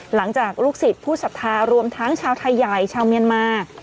หลังจากลูกศิษย์ผู้ศรัทธารวมทั้งชาวไทยใหญ่ชาวเมียนมา